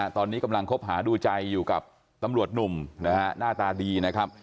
ตอนนี้กำลังคบหาดูใจอยู่กับตำรวจหนุ่มนะฮะหน้าตาดีนะครับ